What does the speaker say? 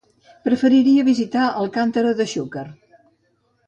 Preferiria visitar Alcàntera de Xúquer.